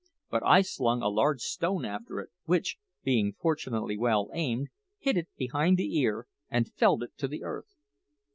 But I slung a large stone after it, which, being fortunately well aimed, hit it behind the ear and felled it to the earth.